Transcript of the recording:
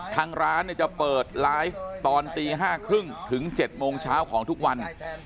ทางร้านจะเปิดไลฟ์ตอนตี๕๓๐ถึง๗โมงเช้าของทุกวัน